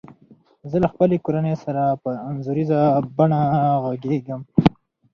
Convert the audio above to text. زه له خپلي کورنۍ سره په انځوریزه بڼه غږیږم.